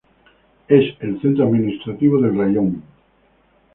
Es la centro administrativo del "raión".